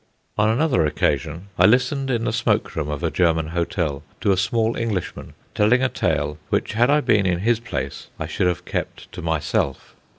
On another occasion I listened in the smoke room of a German hotel to a small Englishman telling a tale which, had I been in his place, I should have kept to myself.